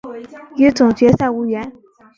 与总决赛无缘。